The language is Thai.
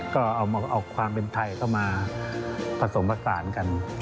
ก็เอาความเป็นไทยเข้ามาผสมผสานกัน